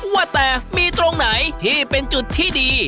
ว่าแต่มีตรงไหนที่เป็นจุดที่ดี